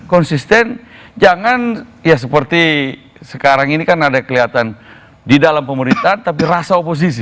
konsisten jangan ya seperti sekarang ini kan ada kelihatan di dalam pemerintahan tapi rasa oposisi